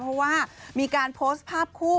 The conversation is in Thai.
เพราะว่ามีการโพสต์ภาพคู่